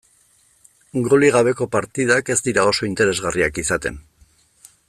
Golik gabeko partidak ez dira oso interesgarriak izaten.